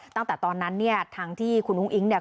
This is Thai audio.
ตั้งแต่ตอนนั้นเนี่ยทางที่คุณอุ้งอิ๊งเนี่ย